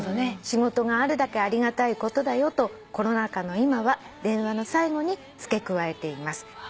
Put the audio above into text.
「『仕事があるだけありがたいことだよ』とコロナ禍の今は電話の最後につけ加えています」